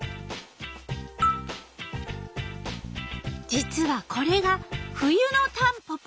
実はこれが冬のタンポポ。